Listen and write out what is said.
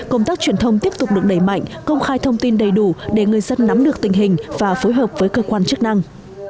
công tác truyền thông tiếp tục được đẩy mạnh công khai thông tin đầy đủ để người dân nắm được tình hình và phối hợp với cơ quan chức năng